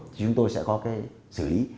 thì chúng tôi sẽ có cái xử lý